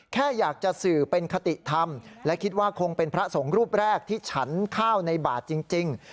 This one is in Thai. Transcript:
แค่อยากจะสื่อเป็นคติธรรมและคิดว่าคงเป็นพระสงฆ์รูปแรกที่ฉันข้าวในบาทจริง